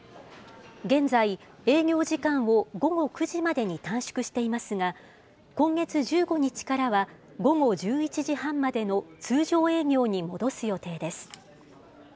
現在、営業時間を午後９時までに短縮していますが、今月１５日からは午後１１時半までの通常営業に戻す予定です。